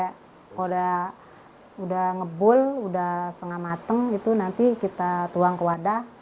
kalau udah ngebul udah setengah mateng itu nanti kita tuang ke wadah